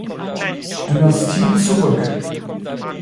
Dynastie zurück.